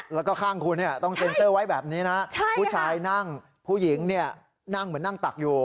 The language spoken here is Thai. แล้วก็ข้างคุณต้องเซ็นเซอร์ไว้แบบนี้นะผู้ชายนั่งผู้หญิงเนี่ยนั่งเหมือนนั่งตักอยู่